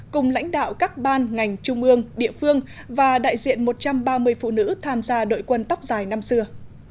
cùng lãnh đạo các ban ngành trung ương địa phương và đại diện một trăm ba mươi phụ nữ tham gia đội quân tóc dài năm xưa